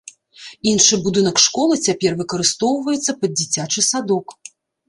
Іншы будынак школы цяпер выкарыстоўваецца пад дзіцячы садок.